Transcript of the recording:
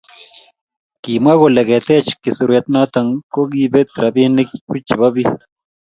kimwa kole ketech kisirwet noto kokakibeet rapinik buch chebo biik